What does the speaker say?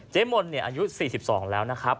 มนต์อายุ๔๒แล้วนะครับ